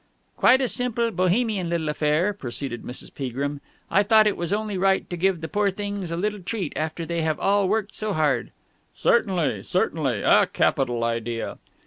"Quite a simple, Bohemian little affair," proceeded Mrs. Peagrim. "I thought it was only right to give the poor things a little treat after they have all worked so hard." "Certainly, certainly. A capital idea."